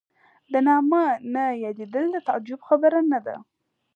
د نامه نه یادېدل د تعجب خبره نه ده.